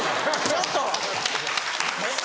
ちょっと！